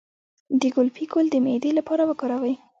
د ګلپي ګل د معدې لپاره وکاروئ